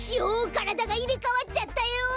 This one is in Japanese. からだがいれかわっちゃったよ！